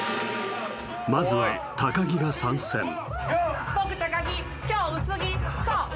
まずは高木が参戦